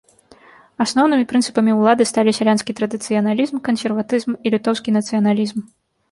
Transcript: Асноўнымі прынцыпамі ўлады сталі сялянскі традыцыяналізм, кансерватызм і літоўскі нацыяналізм.